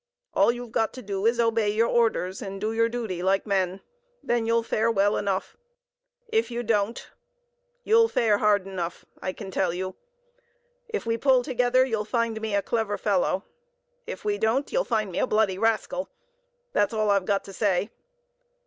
All you've got to do is to obey your orders and do your duty like men,—then you'll fare well enough;—if you don't, you'll fare hard enough,—I can tell you. If we pull together, you'll find me a clever fellow; if we don't, you'll find me a bloody rascal. That's all I've got to say.